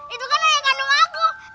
itu kan ayah kandung aku